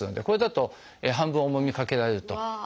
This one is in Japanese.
これだと半分重みかけられると。